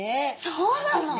そうなの？